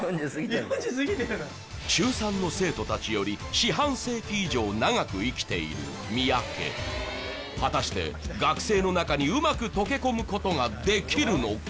中３の生徒達より四半世紀以上長く生きている三宅果たして学生の中にうまく溶け込むことができるのか？